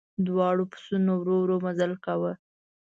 دواړو بسونو ورو ورو مزل کاوه.